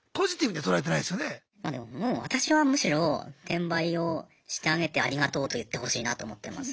でももう私はむしろ転売をしてあげてありがとうと言ってほしいなと思ってます。